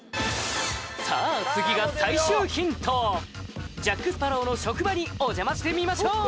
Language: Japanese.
さあ次が最終ヒントジャック・スパロウの職場にお邪魔してみましょう